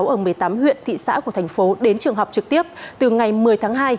ở một mươi tám huyện thị xã của thành phố đến trường học trực tiếp từ ngày một mươi tháng hai